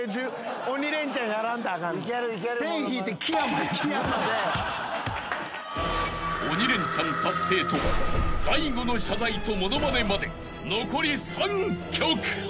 ［鬼レンチャン達成と大悟の謝罪と物まねまで残り３曲］